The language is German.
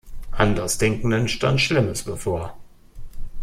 Andersdenkenden stand Schlimmes bevor.